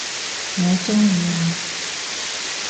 我鍾意啊